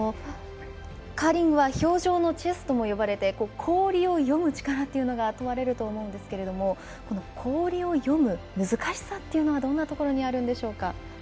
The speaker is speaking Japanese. カーリングは氷上のチェスとも言われて氷を読む力というのが問われると思うんですけど氷を読む難しさっていうのはどんなところにあるんでしょうか。